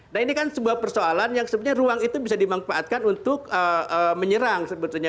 nah ini kan sebuah persoalan yang sebenarnya ruang itu bisa dimanfaatkan untuk menyerang sebetulnya